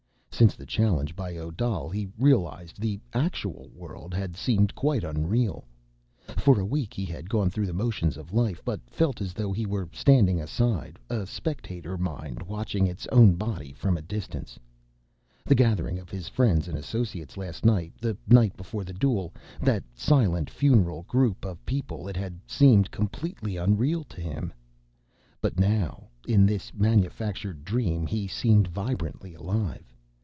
Since the challenge by Odal, he realized, the actual world had seemed quite unreal. For a week, he had gone through the motions of life, but felt as though he were standing aside, a spectator mind watching its own body from a distance. The gathering of his friends and associates last night, the night before the duel—that silent, funereal group of people—it had all seemed completely unreal to him. But now, in this manufactured dream, he seemed vibrantly alive.